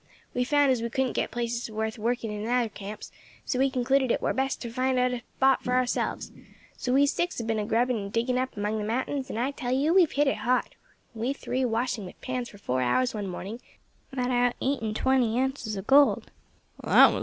We found as we couldn't get places worth working in the other camps, so we concluded it war best to find out a spot for ourselves; so we six have been a grubbing and digging up among the mountains, and I tell you we have hit it hot. We three, washing with pans for four hours one morning, got out eight and twenty ounces of gold."